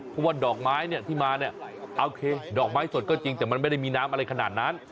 เพราะว่าดอกไม้ที่มาดอกไม้สดก็จริงแต่มันไม่ได้มีน้ำอะไรขนาดนั้น